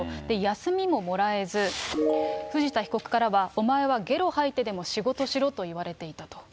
休みももらえず、藤田被告からはお前はげろ吐いてでも仕事しろと言われていたと。